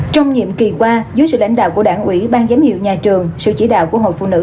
trong nhiệm kỳ qua dưới sự lãnh đạo của đảng ủy ban giám hiệu nhà trường sự chỉ đạo của hội phụ nữ